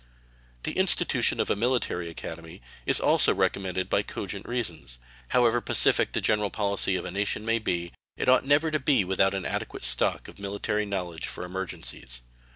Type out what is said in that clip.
The institution of a military academy is also recommended by cogent reasons. However pacific the general policy of a nation may be, it ought never to be without an adequate stock of military knowledge for emergencies.